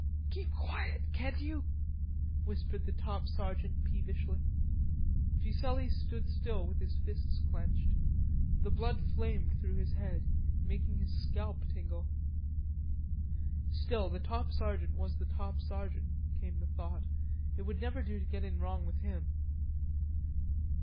"Keep quiet, can't you?" whispered the top sergeant peevishly. Fuselli stood still with his fists clenched. The blood flamed through his head, making his scalp tingle. Still the top sergeant was the top sergeant, came the thought. It would never do to get in wrong with him.